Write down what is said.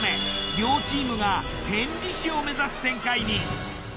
両チームが天理市を目指す展開に。